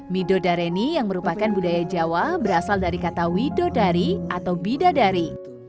midodareni yang merupakan budaya jawa berasal dari kata widodari atau bidadari